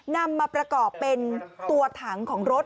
นำมาประกอบเป็นตัวถังของรถ